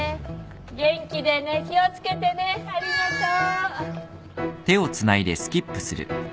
元気でね気を付けてねありがとう。